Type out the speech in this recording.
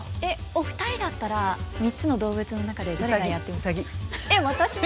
お二人だったら３つの動物の中でどれがやってみたい。